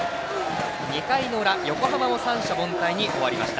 ２回の裏、横浜も三者凡退に終わりました。